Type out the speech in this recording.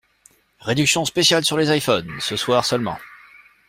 Réduction spéciale sur les iphones, ce soir seulement.